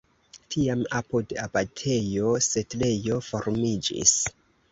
Tiam apud abatejo setlejo formiĝis.